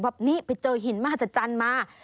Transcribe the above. ว่าเป็นไปเจอหินมหาศจรรย์มา